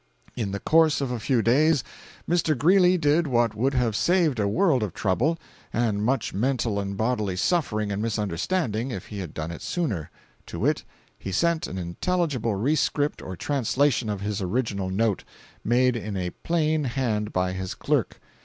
"In the course of a few days, Mr. Greely did what would have saved a world of trouble, and much mental and bodily suffering and misunderstanding, if he had done it sooner. To wit, he sent an intelligible rescript or translation of his original note, made in a plain hand by his clerk.